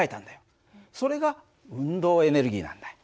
それが運動エネルギーなんだ。